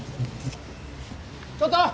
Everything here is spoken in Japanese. ちょっと！